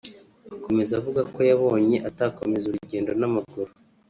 Akomeza avuga ko yabonye atakomeza urugendo n’amaguru